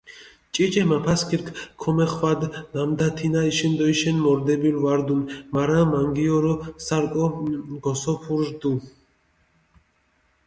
ჭიჭე მაფასქირქ ქომეხვადჷ, ნამდა თინა იშენდოიშენ მორდებული ვარდუნ, მარა მანგიორო სარკო გოსოფური რდჷ.